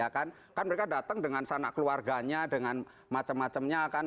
kan mereka datang dengan sanak keluarganya dengan macam macamnya kan